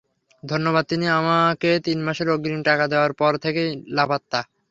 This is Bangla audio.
ধন্যবাদ তিনি আমাকে তিন মাসের অগ্রিম টাকা দেওয়ার পর থেকেই লাপাত্তা।